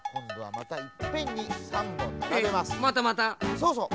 そうそう。